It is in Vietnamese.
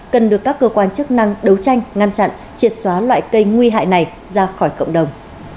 cần được các cơ quan chức năng đấu tranh ngăn chặn triệt xóa loại cây nguy hại này ra khỏi cộng đồng